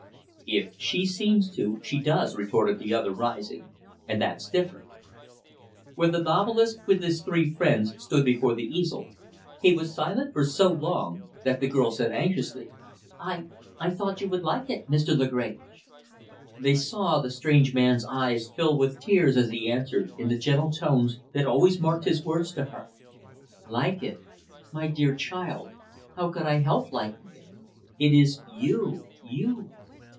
"If she seems to, she does," retorted the other, rising. "And that's different." When the novelist, with his three friends, stood before the easel, he was silent for so long that the girl said anxiously, "I I thought you would like it, Mr. Lagrange." They saw the strange man's eyes fill with tears as he answered, in the gentle tones that always marked his words to her, "Like it? My dear child, how could I help liking it? It is you you!"